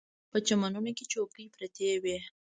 په چمنونو کې چوکۍ پرتې وې.